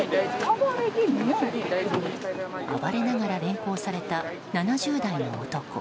暴れながら連行された７０代の男。